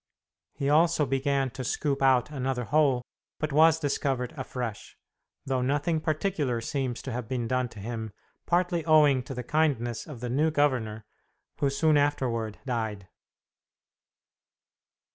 He also began to scoop out another hole, but was discovered afresh, though nothing particular seems to have been done to him, partly owing to the kindness of the new governor, who soon afterward died.